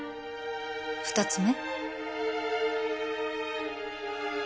２つ目？